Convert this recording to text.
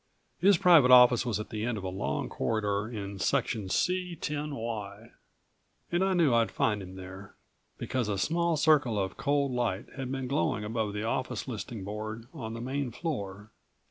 His private office was at the end of a long corridor in Section C 10 Y, and I knew I'd find him there, because a small circle of cold light had been glowing above the office listing board on the main floor.